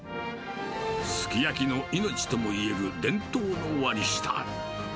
すき焼きの命ともいえる伝統の割り下。